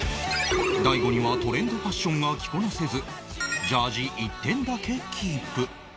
大悟にはトレンドファッションが着こなせずジャージ１点だけキープ